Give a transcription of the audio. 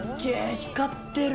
光ってる！